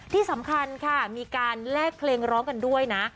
ที่สำคัญค่ะมีการแลกเพลงร้องกันด้วยนะ